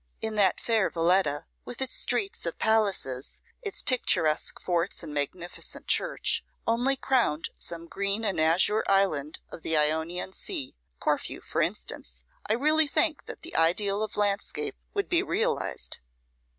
If that fair Valetta, with its streets of palaces, its picturesque forts and magnificent church, only crowned some green and azure island of the Ionian Sea, Corfu for instance, I really think that the ideal of landscape would be realised.